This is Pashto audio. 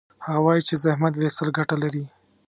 هغه وایي چې زحمت ویستل ګټه لري